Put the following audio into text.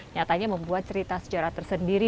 nyatanya membuat cerita sejarah tersendiri